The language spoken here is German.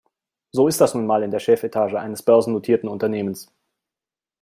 So ist das nun mal in der Chefetage eines börsennotierten Unternehmens.